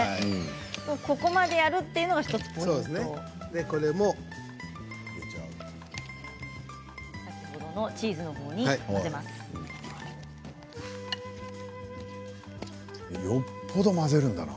ここまでやるというのがポイントなんですね。